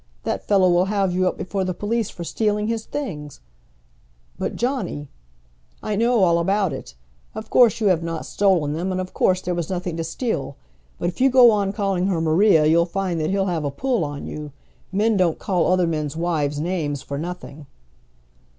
That fellow will have you up before the police for stealing his things " "But, Johnny " "I know all about it. Of course you have not stolen them, and of course there was nothing to steal. But if you go on calling her Maria you'll find that he'll have a pull on you. Men don't call other men's wives names for nothing."